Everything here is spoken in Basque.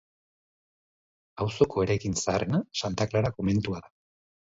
Auzoko eraikin zaharrena Santa Klara komentua da.